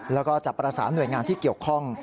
แล้วก็จะประสานหน่วยงานที่เกี่ยวข้อง